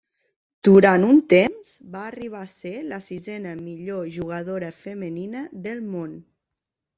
Durant un temps va arribar a ser la sisena millor jugadora femenina del món.